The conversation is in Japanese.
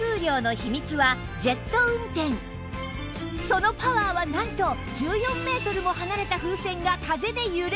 そのパワーはなんと１４メートルも離れた風船が風で揺れるほど！